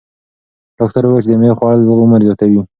ډاکتر وویل چې د مېوې خوړل عمر زیاتوي.